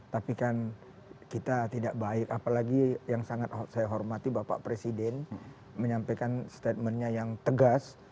tapi kan kita tidak baik apalagi yang sangat saya hormati bapak presiden menyampaikan statementnya yang tegas